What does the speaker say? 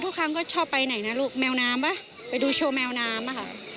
ครั้งก็ชอบไปไหนนะลูกแมวน้ำป่ะไปดูโชว์แมวน้ำอ่ะค่ะ